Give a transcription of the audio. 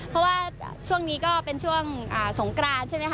เพราะว่าช่วงนี้ก็เป็นช่วงสงกรานใช่ไหมค